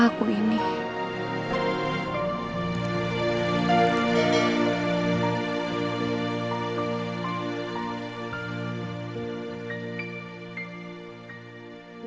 supaya kau suffer pingsan